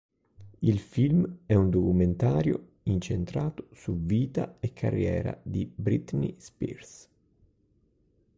Il film è un documentario incentrato su vita e carriera di Britney Spears.